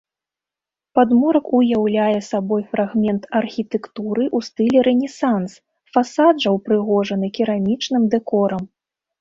Падмурак уяўляе сабой фрагмент архітэктуры ў стылі рэнесанс, фасад жа ўпрыгожаны керамічным дэкорам.